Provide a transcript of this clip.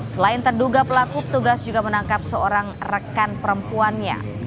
selain terduga pelaku petugas juga menangkap seorang rekan perempuannya